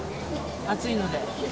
暑いので。